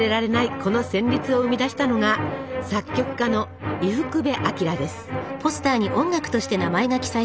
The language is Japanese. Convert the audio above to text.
この旋律を生み出したのが作曲家の伊福部昭です。